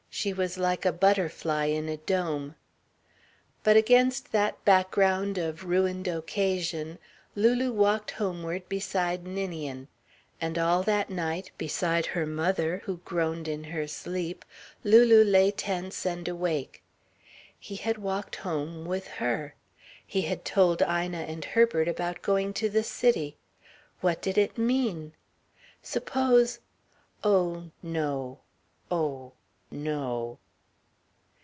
She was like a butterfly in a dome. But against that background of ruined occasion, Lulu walked homeward beside Ninian. And all that night, beside her mother who groaned in her sleep, Lulu lay tense and awake. He had walked home with her. He had told Ina and Herbert about going to the city. What did it mean? Suppose ... oh no; oh no!